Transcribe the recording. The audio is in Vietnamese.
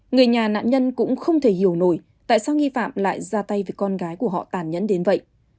người nhà nạn nhân cũng không thể hiểu nổi tại sao nghi phạm lại ra tay với con gái của họ tàn nhẫn đến vậy